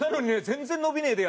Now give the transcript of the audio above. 全然伸びねえでやんの。